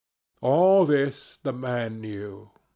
All this the man knew.